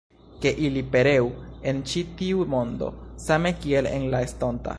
Ke ili pereu en ĉi tiu mondo, same kiel en la estonta!